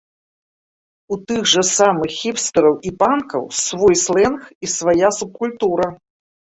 У тых жа самых хіпстэраў і панкаў свой слэнг і свая субкультура.